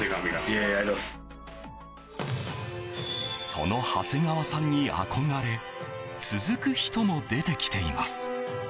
その長谷川さんに憧れ続く人も出てきています。